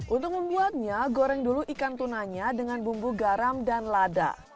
untuk membuatnya goreng dulu ikan tunanya dengan bumbu garam dan lada